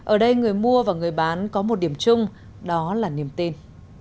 ở đây người mua và người bán có một điểm chung đó là niềm tin